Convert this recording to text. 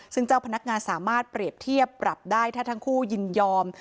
ซึ่งเจ้าพนักงานสามารถเปรียบเทียบปรับได้ถ้าทั้งคู่ยินยอม